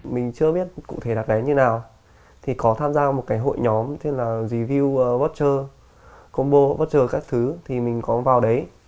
mình chưa biết cụ thể đặt đấy như thế nào thì có tham gia một cái hội nhóm tên là review voucher combo voucher các thứ thì mình có vào đấy